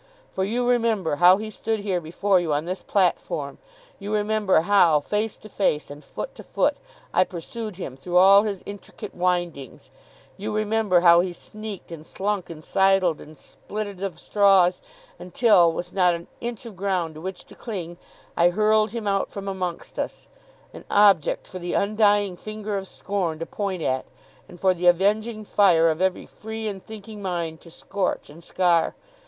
For you remember how he stood here before you on this platform; you remember how, face to face and foot to foot, I pursued him through all his intricate windings; you remember how he sneaked and slunk, and sidled, and splitted of straws, until, with not an inch of ground to which to cling, I hurled him out from amongst us: an object for the undying finger of scorn to point at, and for the avenging fire of every free and thinking mind to scorch and scar!